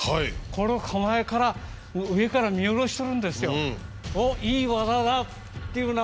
この構えから上から見下ろしてるんですよ。